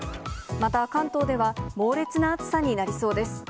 また関東では猛烈な暑さになりそうです。